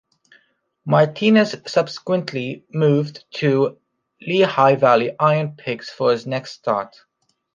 Martinez subsequently moved to the Lehigh Valley Iron Pigs for his next start.